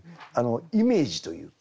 イメージというか。